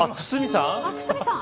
堤さん。